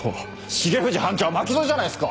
重藤班長は巻き添えじゃないっすか！